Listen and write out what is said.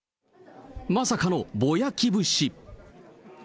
まさかのぼやき節。